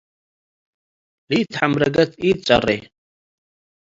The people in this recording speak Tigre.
ለኢትሐምረገት ኢትጸሬ።